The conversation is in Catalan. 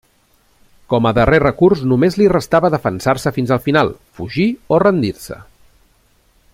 Com a darrer recurs, només li restava defensar-se fins al final, fugir o rendir-se.